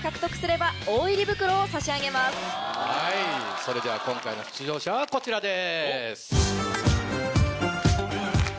それでは今回の出場者はこちらです。